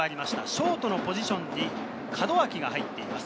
ショートのポジションに門脇が入っています。